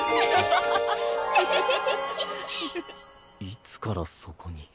いつからそこに。